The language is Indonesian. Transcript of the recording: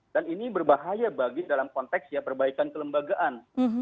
dan ini berbahaya bagi dalam konteks perbaikan kelembagaan